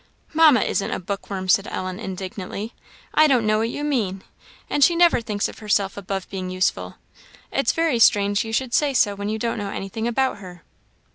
"Mamma isn't a bookworm!" said Ellen, indignantly; "I don't know what you mean; and she never thinks of herself above being useful; it's very strange you should say so when you don't know anything about her."